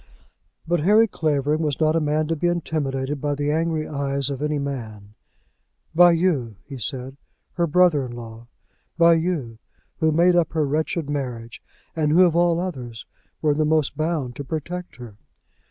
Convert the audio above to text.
But Harry Clavering was not a man to be intimidated by the angry eyes of any man. "By you," he said, "her brother in law; by you, who made up her wretched marriage, and who, of all others, were the most bound to protect her."